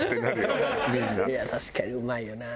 確かにうまいよな。